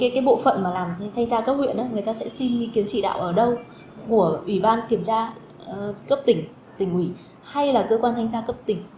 cái bộ phận mà làm thanh tra cấp huyện người ta sẽ xin ý kiến chỉ đạo ở đâu của ủy ban kiểm tra cấp tỉnh tỉnh ủy hay là cơ quan thanh tra cấp tỉnh